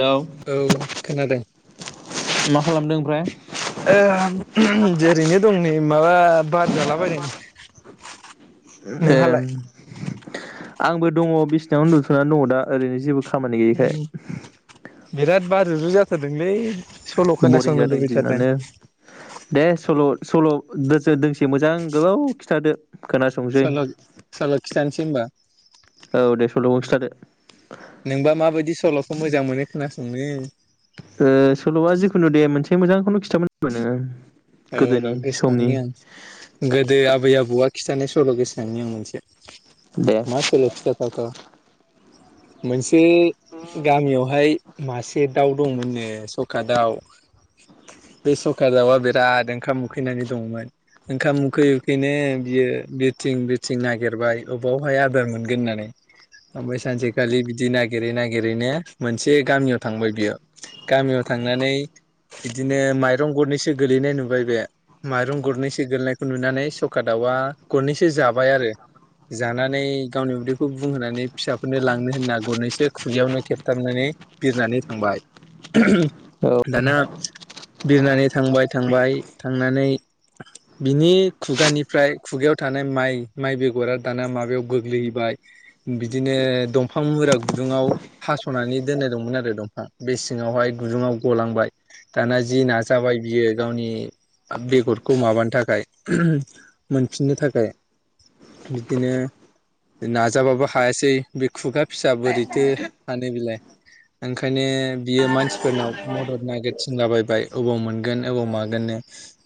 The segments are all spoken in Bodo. हेलौ औ खोनादों। मा खालामदों ओमफ्राय? ओहाम जेरैनो दं नै माबा। बार जालाबायदों ए नोंहालाय? आंबो दङ बिसिनावनो उन्दुथ'नानै दङ दा ओरैनो जेबो। खामानि गैयैखाय। बारु रु जाथारदोंलै। सल' बरिं खोनासंनो जादों लुबैथारदों। दिनानो दे सल' सल' दोसो दोंसे मोजां गोलाव खिथादो। खोनासंसै सल' सल' खिथानोसै होनबा औ दे सल' खिथादो। नोंबा माबायदि सल'खौ मोजां मोनो खोनासंनो? ओ- सल'आ जिखुनु दे मोनसे मोजां नो औ र' गोसोखांनि आं गोदो आबै आबौआ। खिथानाय सल' गोसोखांनि आं मोनसे। दे मा सल' खिथा थाव थाव? मोनसे गामियावहाय मासे दाउ दंमोननो सखा दाउ बे सखा दाउआ बे। बिराद ओंखाम उखैनानै दंमोन ओंखाम उखै उखैनो बियो बिरथिं बबिरथिं नागिरबाय अबावहाय आदार मोनगोन होननानै ओमफ्राय सानसेखालि बिदि नागिरै नागिरैनो मोनसे गामियाव थांबाय बियो गामियाव थांनानै बिदिनो माइरं गरनैसो गोलैनाय नुबाय बे माइरं गरनैसो गोलैनायखौ नुनानै सखा दाउआ गरनैसो जाबाय आरो जानानै गावनि उदैखौ बुंहोनानै फिसाफोरनो लांनो होनना गरनैसो खुगायावनो खेबथाबनानै बिरनानै थांबाय औ दाना बिरनानै थांबाय थांबाय थांनानै बिनि खुगानिफ्राय खुगायाव थानाय माइ माइ बेगरा दाना माबायाव गोग्लैहैबाय बिदिनो दंफां मुरा गुदुङाव हास'नानै दोननाय दंमोन आरो दंफां बे सिङावहाय गुदुङाव गलांबाय दाना जि नाजाबाय बियो गावनि बेगरखौ माबानो थाखाय मोनफिननो थाखाय बिदिनो नाजाबाबो हायासै बे खुगा फिसा बोरैथो हानो बिलाय ओंखायनो बियो मानसिफोरनाव मदद नागिरसिनलाबायबाय अबाव मोनगोन ओबाव मागोननो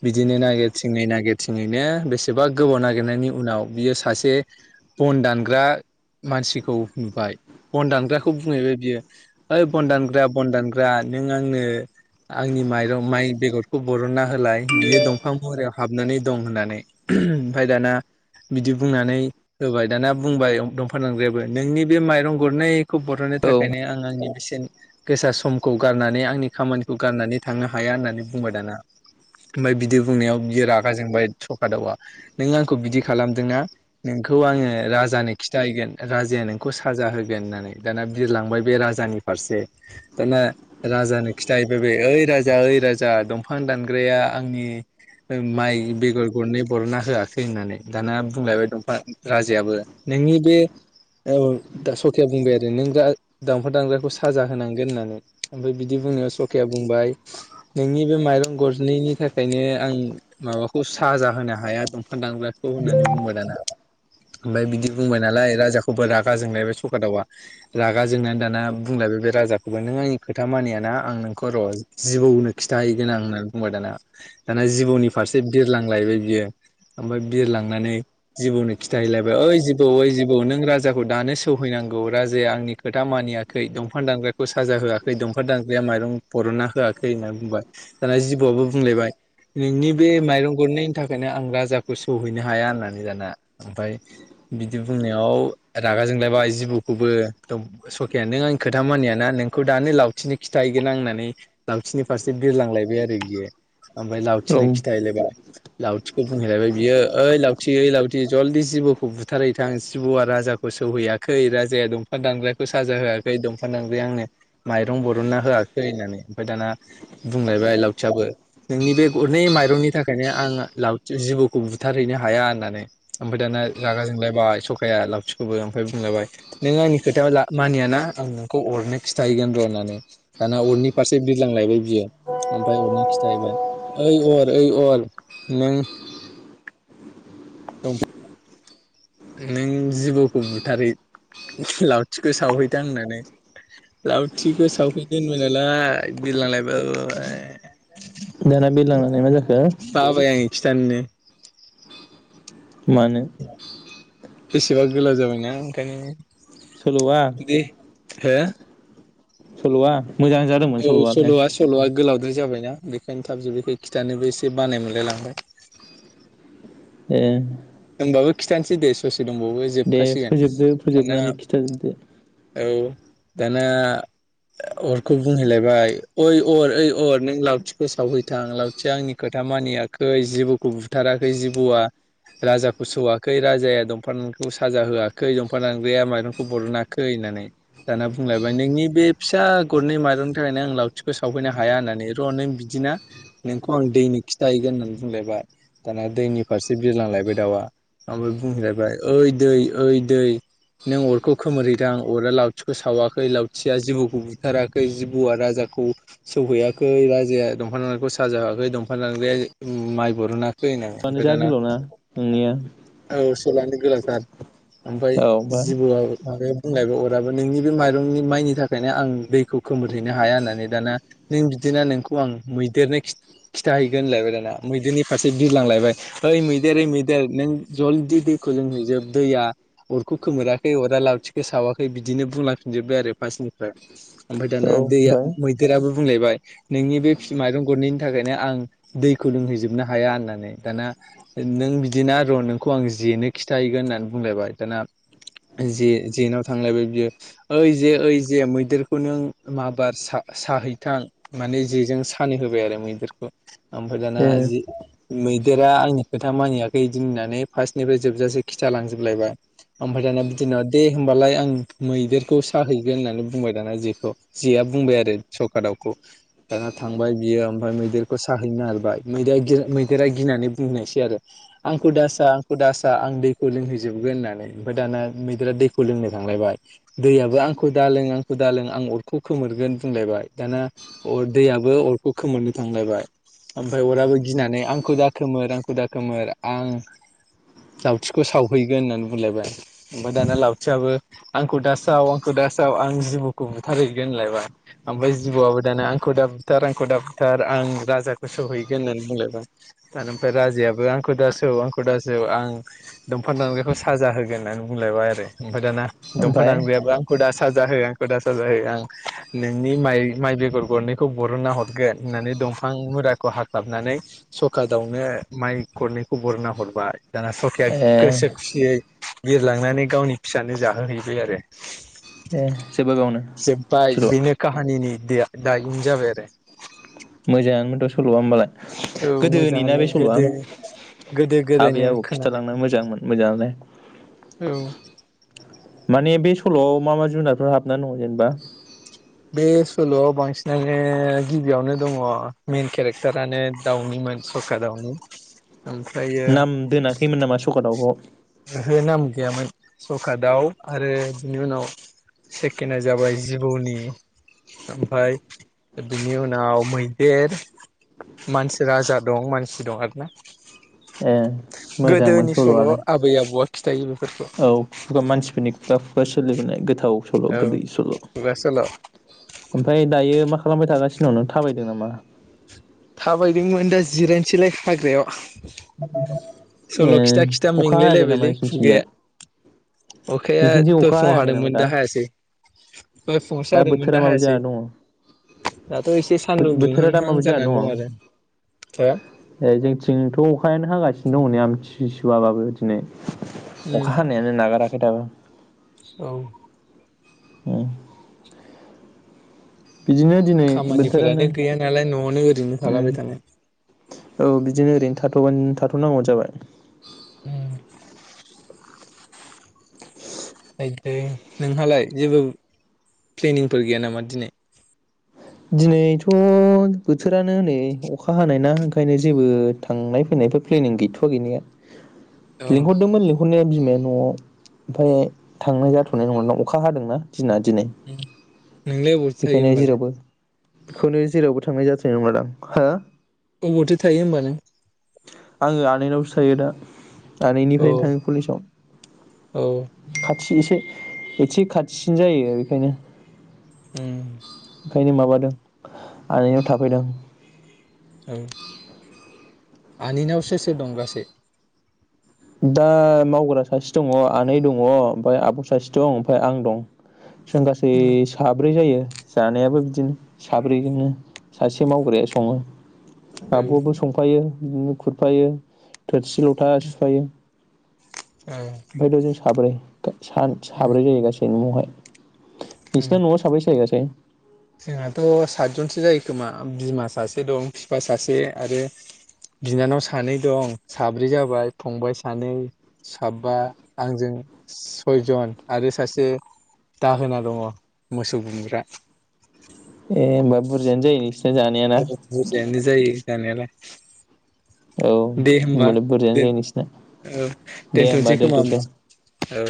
बिदिनो नागिरथिङै नागिरथिङैनो बेसेबा गोबाव नागिरनायनि उनाव बियो सासे बन दानग्रा मानसिखौ नुबाय बन दानग्राखौ बुंहैबाय बियो ओइ बन दानग्रा बन दानग्रा नों आंनो आंनि माइरं माइ बेगर खौ बरनना होलाय बियो दंफां मुरायाव हाबनानै दं होननानै ओमफ्राय दाना बिदि बुंनानै होबाय दाना बुंबाय दंफां दानांग्रायाबो नोंनि बे माइरं गरनै खौ बरननो औ थाखायनो आं आंनि बे सेन गोसा समखौ गारनानै आंनि खामानिखौ गारनानै थांनो हाया होननानै। बुंबाय दाना ओमफ्राय बिदि बुंनायाव बियो रागा जोंबाय सखादावा नों आंखौ बिदि खालामदोंना नोंखौ आङो राजानो खिथाहैगोन राजाया नोंखौ साजा होगोन होननानै दाना बिरलांबाय बे राजानि फारसे दाना राजानो खिथाहैबाय बे ओइ राजा ओइ राजा दंफां दानग्राया आंनि माइ बेगर गरनै बरना होआखै होननानै दाना बुंलायबाय दंफां राजायाबो नोंनि बे सखाया बुंबाय आरो नों दा दंफां दानग्राखौ साजा होनांगोन होननानै ओमफ्राय बिदि बुंनायाव सखाया बुंबाय नोंनि बे माइरं गरनैनि थाखायनो आं माबाखौ साजा होनो हाया दंफां दानग्रा खौ होननानै बुंबाय दाना। ओमफ्राय बिदि बुंबाय नालाय राजाखौबो रागा जोंलायबाय सखादावा रागा जोंनानै दाना बुंलायबाय बे राजाखौबो नों आंनि खोथा मानियाना आं नोंखौ र' जिबौनो खिथ खिथाहैगोनां होननानै बुंबाय दाना दाना जिबौनि फारसे बिरलांलायबाय बियो ओमफ्राय बिरलांनानै जिबौनो खिथाहैलायबाय ओइ जिबौ ओइ जिबौ नों राजाखौ दानो सौहैनांगौ राजाया आंनि खोथा मानियाखै दंफां दानग्राखौ साजा होआखै दंफां दानग्राया माइरं बरनना होआखै होननानै बुंबाय। दाना जिबौआबो बुंलायबाय नोंनि बे माइरं गरनैयनि थाखायनो आं राजाखौ सौहैनो हाया होननानै दाना ओमफ्राय बिदि बुंनायाव रागा जोंलायबाय जिबौखौबो सखाया नों आंनि खोथा मानियाना नोंखौ दानो लावथिनो खिथाहैगोन आं होननानै लावथिनि फारसे बिरलांलायबाय आरो बियो। आमफाय औ लावथिनो खिथा हैलायबाय लाव थिखौ बुंहैलायबाय बियो ओइ लावथि ओइ लावथि जलदि जिबौखौ बुथारहैथां जिबौवा राजाखौ सौहैयाखै राजाया दंफां दानग्राखौ साजा होआखै दंफां दानग्राया आंनो माइरं बरनना होआखै होननानै ओमफाय दाना बुंलायबाय लावथियाबो नोंनि बे गरनै माइरंनि थाखायनो आं लावथि जिबौखौ बुथारहैनो हाया होननानै ओमफ्राय दाना रागा जोंलायबाय सखाया लावथिखौबो ओमफ्राय बुंलायबाय नों आंनि खोथाया मानियाना आं नोंखौ अरनो खिथाहैगोन र' होननानै दाना अरनि फारसे बिरलांलायबाय बियो। ओमफ्राय अरनो खिथाहैबाय ओइ अर ओइ अर नों नों जिबौखौ बुथारै लावथिखौ सावहैथां होननानै लावथिखौ सावहै दोनबाय नालाय बिलांलायबाय दाना बिरलांनानै मा जाखो? खिथाननो मानो बेसेबा गोलाव जाबायना सल'आ ओंखायनो दे हो? सल'वा औ सल'आ सल'आ गोलावद्राय जाबाय। बेखायनो थाब जोबैखाय खिथानोबो एसे बानाय मोनलाय लांबाय। ए होनबाबो खिथानोसै दे ससे दंबावो दे जोबखासिगोन फोजोबदो दाना फोजोबनानै खिथाजोबदो औ दाना अरखौ बुंहैलायबाय ओइ अर ओइ अर नों लावथिखौ सावहैथां लावथिया आंनि खोथा मानियाखै जिबौखौ बुथाराखै जिबौआ राजाखौ सौवाखै राजाया दंफां दांगखौ साजा होआखै दंफां दानांग्रया माइरंखौ बरनाखै होननानै दाना बुंलायबाय नोंनि बे फिसा गरनै माइरंनि थाखायनो आं लावथिखौ सावफैनो हाया होननानै र' नों बिदिना नोंखौ आं दैनो खिथाहैगोन होननानै बुंलायबाय दाना दैनि फारसे बिरलांलाय बाय दाउआ ओमफ्राय बुंहैलायबाय ओइ दै ओइ दै नों अरखौ खोमोरहैदों आ अरा लावथिखौ सावाखै लावथिया जिबौखौ बुथाराखै जिबौआ राजाखौ सौहैयाखै राजाया दंफां दानग्राखौ साजा होआखै दंफां दानग्रायाया माइ बरना खै होननानै आनो ओमफाय जा दाना गोलावना नोंनिया लयानो गोलाव थार। ओमफ्राय जिबौवा [unintelligible] बुंलायबाय अराबो नोंनि बे माइरंनि माइनि थाखायनो आं दैखौ खोमोरहैनो हाया होननानै दाना नों बिदिना नोंखौ आं मैदेरनो खि-खिथाहैगोन होनलायबाय दाना मैदेरनि फारसे बिरलांलायबाय ओइ मैदेर ओइ मैदेर देर नों जलदि दैखौ लोंहैजोब दैया अरखौ खोमोराखै अरा लावथिखौ सावाखै बिदिनो बुंलांफिनजोब्बाय आरो फार्स्टनिफ्राय ओमफ्राय दाना औ दैया ओमफ्राय मैदेराबो बुंलायबाय नोंनि बे माइरं गरनैनि थाखायनो आं दैखौ लोंहैजोबनो हाया होननानै दाना नों बिद दिना र' नोंखौ आं जेनो खिन्थाहैगोन होननानै बुंलायबाय दाना जे जेेनाव थांलायबाय बियो ओइ जे ओइ जे मैदेरखौ नों माबार सा-साहैथां माने जेजों सानै होबाय आरो मैदेरखौ ओमफ्राय दाना ए जे मैदेरा आंनि खोथा मानिया खै इदि होननानै फार्स्टनिफ्राय जोबजासे खिथालांजोबलायबाय ओमफ्राय दाना बिदिनाव दे होमबालाय आं मैदेरखौ साहैगोन होननानै बुंबाय दाना जेखौ। जेया बुंबाय आरो सखा दावखौ ओ दाना थांबाय बियो ओमफ्राय मैदेरखौ साहैनो नागिरबाय मैेदेरा गि मैदेरा गिनानै बुंहैनायसै आरो आंखौ दासा आंखौ दासा आं दैखौ लोंहैजोबगोन होननानै ओमफाय दाना मैदेरा दैखौ लोंनो थांलायबाय दैयाबो आंखौ दा लों आंखौ दा लों आं अरखौ खोमोरगोन बुंलायबाय दाना अर दैयाबो अरखौ खोमोरनो थांलायबाय ओमफ्राय अराबो गिनानै आंखौ दाखोमोर आंखौ दाखोमोर आं लावथिखौ सावहैगोन होननानै बुंलायबाय ओमफ्राय दाना लावथियाबो आंखौ दासाव आंखौ दा साव आं जिबौखौ बुथारहैगोन होनलायबाय ओमफ्राय जिबौआबो दाना आंखौ दा बुथार आंखौ दा बुथार आं राजाखौ सौहैगोन होननानै बुंलायबाय दाना ओमफ्राय राजायाबो आं खौ दासौ आंखौ दासौ आं दंफां दानग्राखौ साजा होगोन होननानै बुंलायबाय आरो ओमफाय दाना दंफां ओमफ्राय दानग्रायाबो आंखौ दा साजा हो आंखौ दा साजा हो आं नोंनि माइ माइ बेगर गरनैखौ बरनना हरगोन होननानै दंफां मुुराखौ हाख्लाबनानै सखा दावनो माइ गरनैखौ बरनना हरबाय दाना सखाया ए गोसो खुसियै बिरलांनानै गावनि फिसानो जाहोहैबाय आरो ए जोब्बाय बेयावनो जोबबाय सल'आ बेनो काहानिनि [unintelligible] मोजाङानोथ' सल'वा होमबालाय। औ गोदोनि ना मोजाङानो बे सल'आ गोदो गोदो आबै गोदायनो आबौ खिन्थालांनो खोनानायमोन। मोजांमोन मोजाङालाय औ माने बे सल'आव मा मा जुनारफोर हाबनानै दङ जेनेबा? बे सल'आव बांसिनानो गिबियावनो दङ मेन केरेक्टारानो दाउनिमोन सखा दाउनि। ओमफ्रायो नाम दोनाखैमोन नामा सखा दावखौ? ओहो नाम गैयामोन सखा दाव आरो बिनि उनाव सेकेना जाबाय जिबौनि ओमफाय बिनि उनाव मैदेर मानसि राजा दं मानसि दं आरोना। ए मोजांमोन गोदोनि सल' सल'वालाय। आबै आबौआ खिथायो बेफोरखौ औ खुगा मानसिफोरनि खुगा खुगा सोलिबोनाय गोद गोथाव सल' औ गोदै सल' खुगा सल' ओमफ्राय दायो मा खालामबाय थागासिनो? उनावनो थाबायदों नामा? थाबायदोंमोन दा जिरायनोसैलाय हाग्रायाव। [inaudible] सल' खिथा खिथा अखा हायाखै नामा मेंलायलायबायलै खुगाया नोंसिनिथिंजाय अखाया नोंसिनिथिं दय अखा फुङाव हायाखै नामा हादोंमोन दा हायासै दय फुङावसो हादोंमोन बोथोरा दा माबायदि जाना हायासै दाथ' एसे दङ सानदुं बोथोरा दा दुंहांहां माबायदि जानानै जाना दं दङ आरो हो। ए जोंथिंथ' अखायानो हागासिनो दं नै। आमथि सुवाबाबो दिनै उम अखा हानायानो नागारा खै दाबो। औ उम बिदिनो दिनै बोथोरानो खामानिफोरानो गैया नालाय न'आवनो ओरैनो थालाबाय थानाय थाथ'नांगौ जाबाय। उम नोंहालाय जेबो प्लेनिंफोर गैया नामा दिनै दिनैथ' बोथोरानो नै अखा हानाय ना ओंखायनो जेबो थांनाय फैनायफोर प्लेनिं गैथ'वा गैनाया अ लिंहरदोंमोन लिंहरनाय बिमाया न'आव ओमफ्राय थांनाय जाथ'नाय नङा अखा हादोंना दिना दिनै नोंलाय अबावथो थायो बेखायनो होमबालाय जेरावबो बेखौनो जेरावबो थांनाय जाथोनाय नंला दां हो अबावथो थायो होमबा नों आङो आनैनावसो थायो दा औ आनैनिफ्रायनो थाङो कलेसाव औ खाथि एसे एसे खाथिसिन जायो बेखायनो उम [inaudible] ओंखायनो माबादों आनैनाव थाफैदों। औ आनैनाव सोर सोर दं गासै दा मावग्रा सासे दङ आनै दङ ओमफफ्राय आब' सासे दं ओमफफ्राय आं दं। जों गासै औ साब्रै जायो। जानायाबो बिदिनो साब्रैजोंनो सासे मावग्राया सङो। औ आब'आबो संफायो। बिदिनो खुरफायो थोरसि लथा सुफायो। ओं ओमफ्रायथ' जों साब्रै सान साब्रै जायो गासै न'आवहाय। उम बिसनो न'आव साबै सो गा [unintelligible] जोंहाथ' सातजनसो जायोखोमा बिमा सासे दं बिफा सासे आरो बिनानाव सानै दं साब्रै जाबाय फंबाय सानै साबा आंजों सयजन आरो सासे दाहोना दङ मोसौ गुमब्रा। ए होनोमबा बुरजायानो जायो नोंसि औ [unintelligible] जायो जानायालाय। औ दे होमबा होमबालाय बुरजायानो दोन जायो नोंसिना औ दे दोनथ'नोसै होमबा खोमा दोनथ'सै। औ